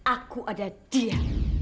aku ada dia